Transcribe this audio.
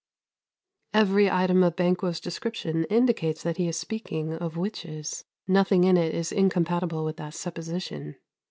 Every item of Banquo's description indicates that he is speaking of witches; nothing in it is incompatible with that supposition.